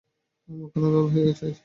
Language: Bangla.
মুখখানা লাল হইয়া যায় শশীর।